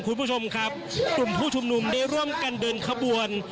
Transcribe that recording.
คุณผู้ชมครับกลุ่มผู้ชุมนุมได้ร่วมกันเดินขบวน